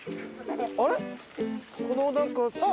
あれ？